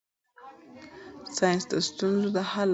ساینس د ستونزو د حل لارې مومي.